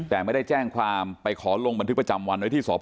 แต่ไม่ได้แจ้งความไปขอลงบันทึกประจำวันไว้ที่สพ